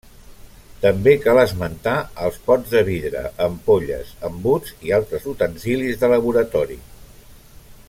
També cal esmentar els pots de vidre, ampolles, embuts i altres utensilis de laboratori.